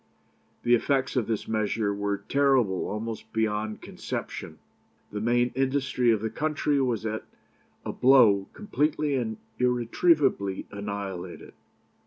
"The effects of this measure were terrible almost beyond conception. The main industry of the country was at a blow completely and irretrievably annihilated.